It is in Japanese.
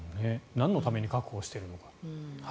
なんのために確保しているのかと。